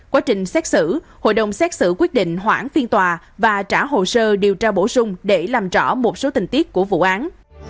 quá trình xét xử hội đồng xét xử quyết định hoãn phiên tòa và trả hồ sơ điều tra bổ sung để làm rõ một số tình tiết của vụ án